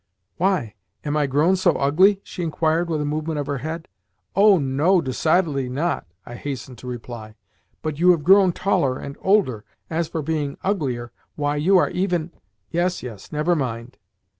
"Why? Am I grown so ugly?" she inquired with a movement of her head. "Oh, no, decidedly not!" I hastened to reply. "But you have grown taller and older. As for being uglier, why, you are even "Yes, yes; never mind.